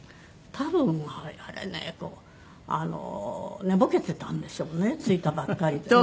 多分あれね寝ぼけてたんでしょうね着いたばっかりでね。